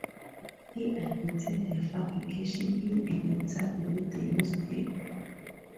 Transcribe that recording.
He admitted the fabrication in an interview with the newspaper.